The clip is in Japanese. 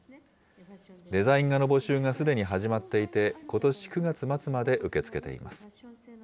デザイン画の募集がすでに始まっていて、ことし９月末まで受け付けています。